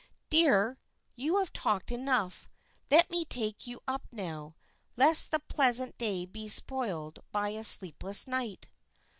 "Dear, you have talked enough; let me take you up now, lest the pleasant day be spoiled by a sleepless night."